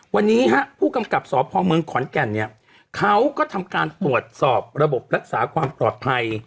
วันนี้ฮะผู้กำกับสพเมืองขอนแก่นเนี่ยเขาก็ทำการตรวจสอบระบบรักษาความปลอดภัย